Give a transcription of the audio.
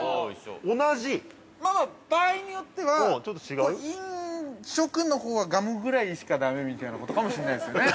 ◆同じ？◆場合によっては、飲食のここが、ガムぐらいしかだめみたいなことかもしれないですね。